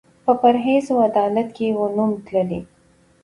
په پرهېز او عدالت یې وو نوم تللی